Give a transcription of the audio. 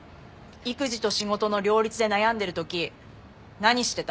育児と仕事の両立で悩んでる時何してた？